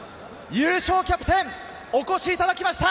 優勝キャプテンにお越しいただきました！